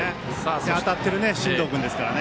そして、当たってる進藤君ですからね。